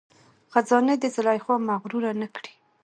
خزانې دي زلیخا مغروره نه کړي